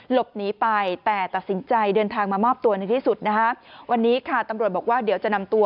หลบหนีไปแต่ตัดสินใจเดินทางมามอบตัวในที่สุดนะคะวันนี้ค่ะตำรวจบอกว่าเดี๋ยวจะนำตัว